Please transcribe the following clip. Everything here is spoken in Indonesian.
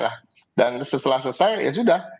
nah dan setelah selesai ya sudah